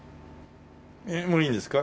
えっもういいんですか？